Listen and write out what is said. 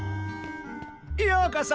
ようこそ。